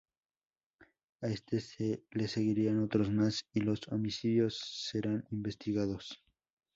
A este le seguirán otros más y los homicidios serán investigados.